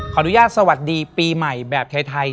ขออนุญาตสวัสดีปีใหม่แบบไทย